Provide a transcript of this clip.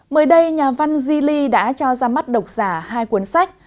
mới đây nhà văn zili đã cho ra mắt độc giả hai cuốn sách